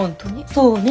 そうね。